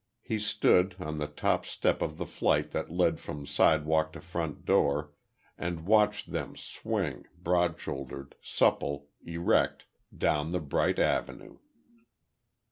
He stood, on the top step of the flight that led from sidewalk to front door, and watched them swing, broad shouldered, supple, erect, down the bright Avenue.